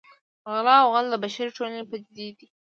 غلا او غل د بشري ټولنې پدیدې دي